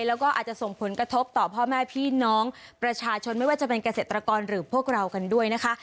แล้วก็อาจจะส่งผลกระทบต่อพ่อแม่พี่น้องประชาชนไม่ว่าจะเป็นเกษตรกรหรือพวกเรากันด้วยนะคะ